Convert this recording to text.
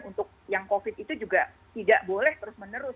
untuk yang covid itu juga tidak boleh terus menerus